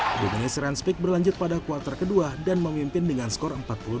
di game ini ranspik berlanjut pada kuartal kedua dan memimpin dengan skor empat puluh dua tiga puluh